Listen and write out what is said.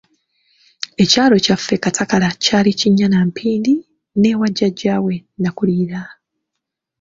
Ekyalo kyaffe Katakala kyali kinnya na mpindi n'ewa Jjajja we nakulira.